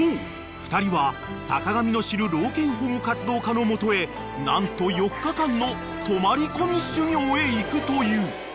２人は坂上の知る老犬保護活動家の元へ何と４日間の泊まり込み修業へ行くという］